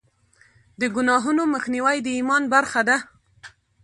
د ګناهونو مخنیوی د ایمان برخه ده.